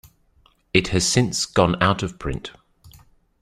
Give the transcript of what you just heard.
It has since gone out-of-print.